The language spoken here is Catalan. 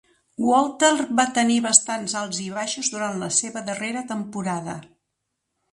Walter va tenir bastants alts i baixos durant la seva darrera temporada.